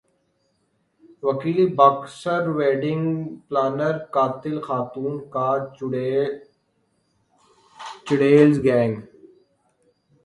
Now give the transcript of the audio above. وکیل boxer wedding planner قاتل خاتون کا چڑیلز گینگ